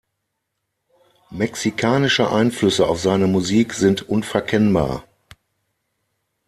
Mexikanische Einflüsse auf seine Musik sind unverkennbar.